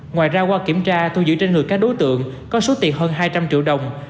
ngoài ra qua kiểm tra thu giữ trên người các đối tượng có số tiền hơn hai trăm linh triệu đồng